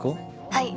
はい。